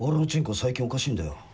最近おかしいんだよ。